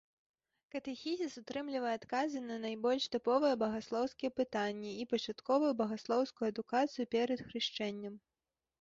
Катэхізіс утрымлівае адказы на найбольш тыповыя багаслоўскія пытанні і пачатковую багаслоўскую адукацыя перад хрышчэннем.